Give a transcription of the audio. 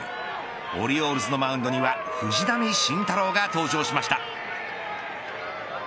オリオールズのマウンドには藤浪晋太郎が登場しました。